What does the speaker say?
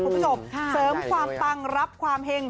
คุณผู้ชมเสริมความปังรับความเห็ง